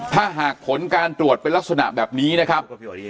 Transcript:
ถ้าหากผลการตรวจเป็นลักษณะแบบนี้นะครับ